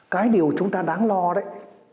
cái điều chúng ta đáng lo đấy